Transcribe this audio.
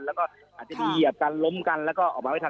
แล้วก็อาจจะมีเหยียบกันล้มกันแล้วก็ออกมาไม่ทัน